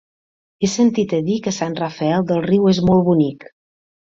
He sentit a dir que Sant Rafel del Riu és molt bonic.